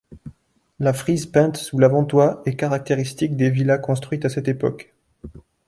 La frise peinte sous l'avant-toit est caractéristique des villas construites à cette époque.